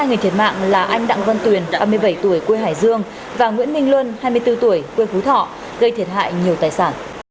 gây thiệt hại nhiều tài sản